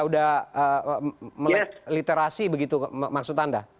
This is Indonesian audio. udah meliterasi begitu maksud anda